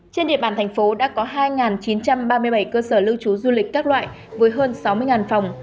trên địa bàn thành phố đã có hai chín trăm ba mươi bảy cơ sở lưu trú du lịch các loại với hơn sáu mươi phòng